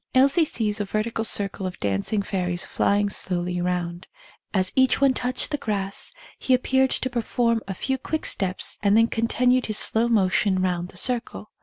Elsie sees a vertical circle of dancing fairies flying slowly round ; as each one touched the grass he appeared to perform a few quick steps and then continued his slow motion round the circle.